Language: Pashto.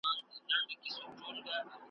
چي شاعر وي چي کتاب وي چي سارنګ وي چي رباب وي `